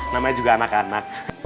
namanya juga anak anak